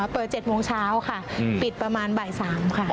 เปิด๗โมงเช้าค่ะปิดประมาณบ่าย๓ค่ะ